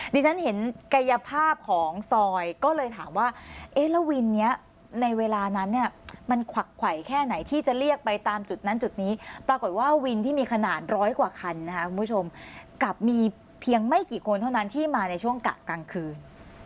ดิฉันเห็นกายภาพของซอยก็เลยถามว่าเอ๊ะแล้ววินนี้ในเวลานั้นเนี่ยมันขวักไขวแค่ไหนที่จะเรียกไปตามจุดนั้นจุดนี้ปรากฏว่าวินที่มีขนาดร้อยกว่าคันนะคะคุณผู้ชมกลับมีเพียงไม่กี่คนเท่านั้นที่มาในช่วงกะกลางคืน